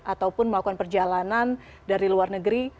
ataupun melakukan perjalanan dari luar negeri